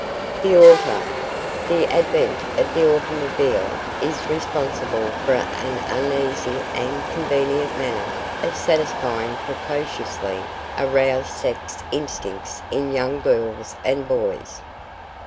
The Auto. The advent of the automobile is responsible for an easy and convenient manner of satisfying precociously aroused sex instincts in young girls and boys.